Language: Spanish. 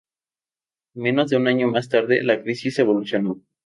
Menos de un año más tarde, la crisis evolucionó.